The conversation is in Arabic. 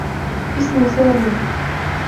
اسمي سالي.